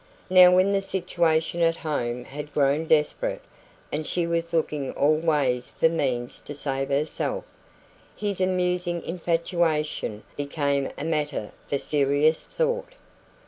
Now, when the situation at home had grown desperate, and she was looking all ways for means to save herself, his amusing infatuation became a matter for serious thought.